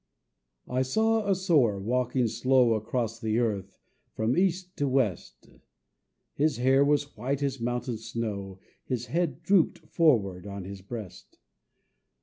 I saw a Sower walking slow Across the earth, from east to west; His hair was white as mountain snow, His head drooped forward on his breast.